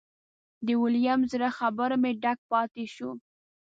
د ویلیم زړه خبرو مې ډک پاتې شو.